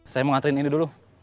saya mau ngaturin ini dulu